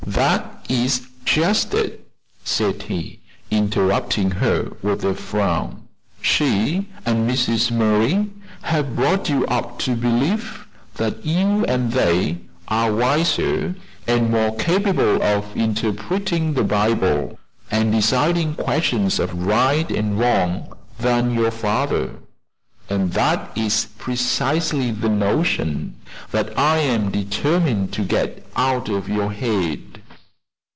that is just it!" said he, interrupting her with a frown; "she and Mrs. Murray have brought you up to believe that you and they are wiser and more capable of interpreting the Bible, and deciding questions of right and wrong, than your father; and that is precisely the notion that I am determined to get out of your head."